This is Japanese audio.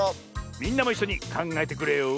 みんなもいっしょにかんがえてくれよ！